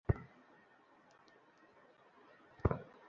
গুলি তো তুমি খেয়েছো।